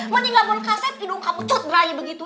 mana nggak mau kakak tidur kamu cut berani begitu